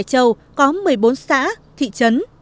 tỉnh lạc có một mươi bốn xã thị trấn